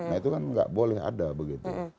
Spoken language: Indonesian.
nah itu kan nggak boleh ada begitu